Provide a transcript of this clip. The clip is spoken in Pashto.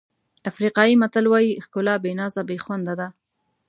افریقایي متل وایي ښکلا بې نازه بې خونده ده.